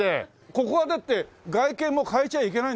ここはだって外見も変えちゃいけないんでしょ？